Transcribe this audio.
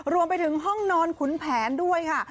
รวมไปถึงห้องนอนขุนแผนด้วยค่ะ